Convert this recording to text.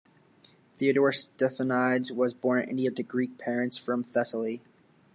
Theodore Stephanides was born in India to Greek parents from Thessaly.